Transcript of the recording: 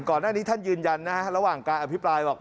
ก่อนหน้านี้ท่านยืนยันนะฮะระหว่างการอภิปรายบอก